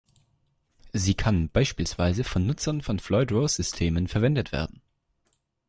Sie kann beispielsweise von Nutzern von Floyd Rose Systemen verwendet werden.